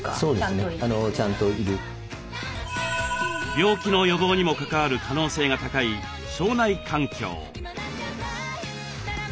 病気の予防にも関わる可能性が高い腸内環境。